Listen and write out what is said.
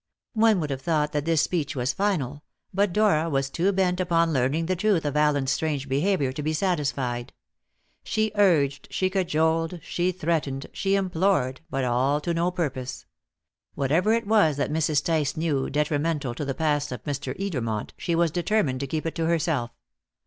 One would have thought that this speech was final; but Dora was too bent upon learning the truth of Allen's strange behaviour to be satisfied. She urged, she cajoled, she threatened, she implored, but all to no purpose. Whatever it was that Mrs. Tice knew detrimental to the past of Mr. Edermont, she was determined to keep it to herself.